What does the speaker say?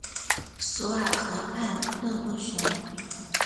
索尔河畔勒布雄。